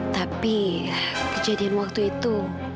tapi kejadian waktu itu